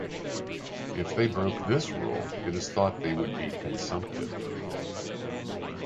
If they broke this rule, it is thought that they would be consumptive.